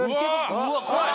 うわ怖い。